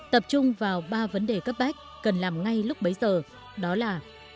tập trung vào ba vấn đề cấp bách cần làm ngay lúc bấy giờ đó là